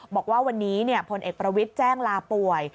บอกว่าวันนี้พลเอกประวิทย์แจ้งลาป่วย